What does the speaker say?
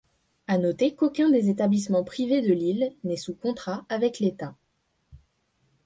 À noter qu'aucun des établissements privés de l'île n'est sous contrat avec l'état.